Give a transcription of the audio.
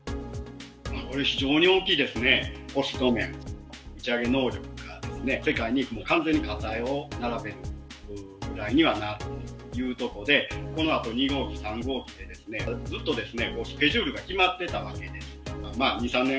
これは非常に大きいですね、コスト面、打ち上げ能力がですね、世界に完全に肩を並べるぐらいにはなるということで、このあと２号機、３号機で、ずっとスケジュールが決まってたわけです。